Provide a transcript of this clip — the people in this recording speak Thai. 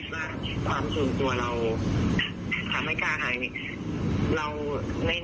ความสูงตัวเราทำให้กล้าหายเราในในมุมมองของเราเนี้ย